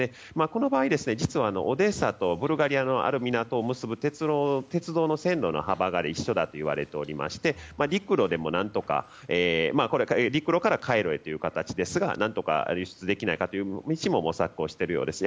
この場合実はオデーサとブルガリアのある港を結ぶ鉄道の線路の幅が一緒だといわれておりまして陸路からカイロへという形ですが何とか輸出できないかという道を模索しているようです。